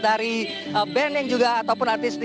dari band yang juga ataupun artis